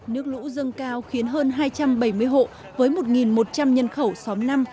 nước lũ dâng cao khiến hơn hai trăm bảy mươi hộ với một một trăm linh nhân khẩu xóm năm